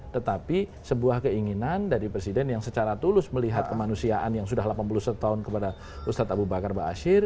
tetapi sebuah keinginan dari presiden yang secara tulus melihat kemanusiaan yang sudah delapan puluh satu tahun kepada ustadz abu bakar ⁇ baasyir ⁇